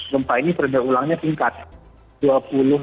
gempa ini perdaulangnya tingkat dua puluh tahunan